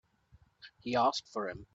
He asked for him.